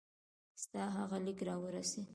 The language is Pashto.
ستا هغه لیک را ورسېدی.